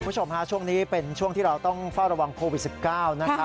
คุณผู้ชมฮะช่วงนี้เป็นช่วงที่เราต้องเฝ้าระวังโควิด๑๙นะครับ